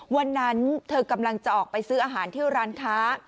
วันนั้นเธอกำลังจะออกไปซื้ออาหารที่ร้านค้า